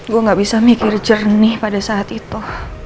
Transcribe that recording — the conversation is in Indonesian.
gue gak bisa mikir jernih pada saat itu